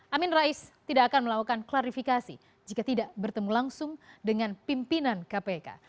amin rais tidak akan melakukan klarifikasi jika tidak bertemu langsung dengan pimpinan kpk